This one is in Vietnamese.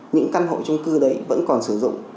những căn hộ trung cư đấy vẫn còn sử dụng